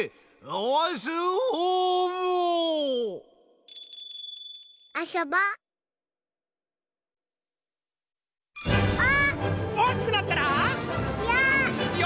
おおきくなったら！よ！